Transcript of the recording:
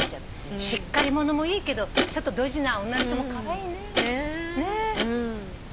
しっかり者もいいけどちょっとどじな女の人もカワイイね。ねぇ！